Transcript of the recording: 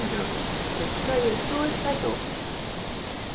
虐待ＳＯＳサイト？